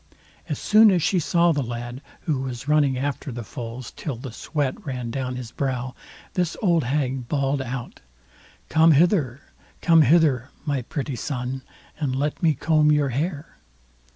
As soon as she saw the lad who was running after the foals till the sweat ran down his brow, this old hag bawled out: "Come hither, come hither, my pretty son, and let me comb your hair."